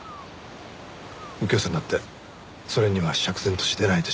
右京さんだってそれには釈然としてないでしょう？